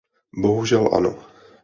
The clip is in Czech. Bohužel ano.